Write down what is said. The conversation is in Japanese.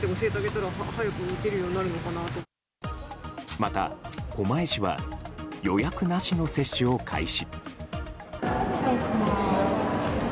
また狛江市は予約なしの接種を開始。